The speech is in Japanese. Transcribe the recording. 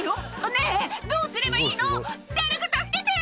ねえ、どうすればいいの？